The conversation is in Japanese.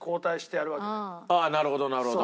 なるほどなるほど。